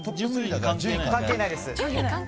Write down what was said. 関係ないです。